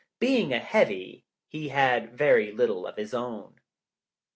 Being a heavy, he had little of his own.